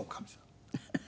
フフ。